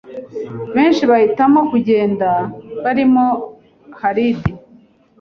benshi bahitamo kugenda barimo Hardi